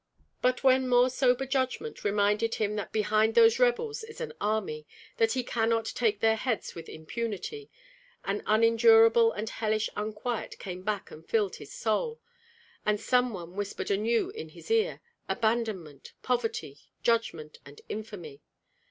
But when more sober judgment reminded him that behind those rebels is an army, that he cannot take their heads with impunity, an unendurable and hellish unquiet came back and filled his soul, and some one whispered anew in his ear, "Abandonment, poverty, judgment, and infamy!"